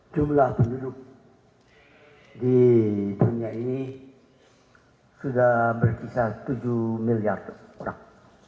jumlah penduduk di dunia ini sudah berkisar tujuh miliar orang